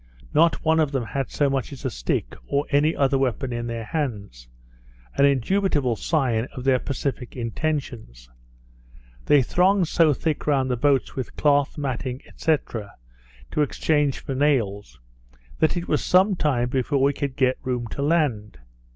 Not one of them had so much as a stick, or any other weapon in their hands; an indubitable sign of their pacific intentions. They thronged so thick round the boats with cloth, matting, &c. to exchange for nails, that it was some time before we could get room to land.